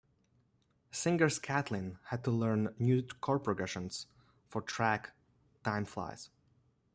Singer Scantlin had to learn new chord progression for the track, Time Flies.